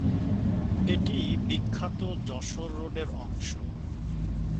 এটি বিখ্যাত যশোর রোডের অংশ।